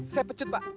saya pecut pak